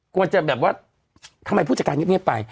กลัวจะแบบว่าทำไมผู้จัดการเงียบไป